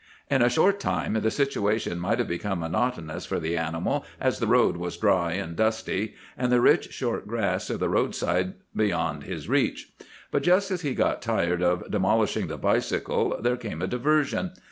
"In a short time the situation might have become monotonous for the animal, as the road was dry and dusty, and the rich, short grass of the roadside beyond his reach. But just as he had got tired of demolishing the bicycle, there came a diversion.